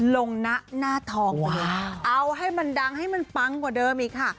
ลงนะหน้าทองเอาให้มันดังให้มันปังกว่าเดิมอีกค่ะ